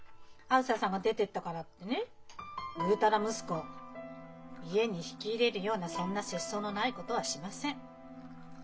あづささんが出てったからってねグータラ息子家に引き入れるようなそんな節操のないことはしません。